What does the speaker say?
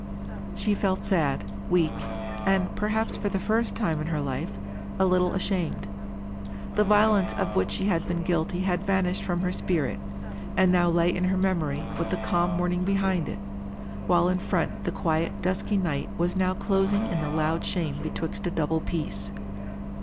She felt sad, weak, and, perhaps, for the first time in her life, a little ashamed. The violence of which she had been guilty had vanished from her spirit, and now lay in her memory with the calm morning behind it, while in front the quiet dusky night was now closing in the loud shame betwixt a double peace.